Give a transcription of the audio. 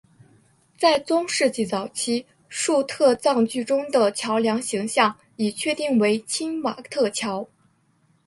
在中世纪早期粟特葬具中的桥梁形象已确定为钦瓦特桥。